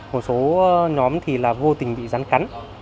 một số nhóm thì là vô tình bị rắn cắn